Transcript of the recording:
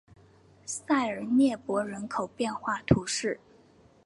塞尔涅博人口变化图示